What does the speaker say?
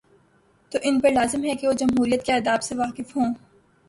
تو ان پرلازم ہے کہ وہ جمہوریت کے آداب سے واقف ہوں۔